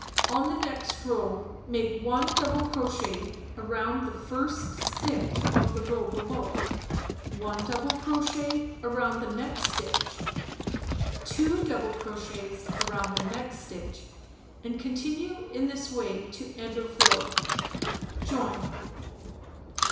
On the next row, make 1 double crochet around the first stitch of the row below; 1 double crochet around the next stitch; 2 double crochets around the next stitch; and continue in this way to end of row. Join.